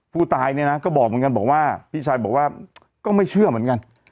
ผู้ตายเนี่ยนะก็บอกเหมือนกันบอกว่าพี่ชายบอกว่าก็ไม่เชื่อเหมือนกัน